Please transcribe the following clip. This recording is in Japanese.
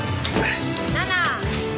７！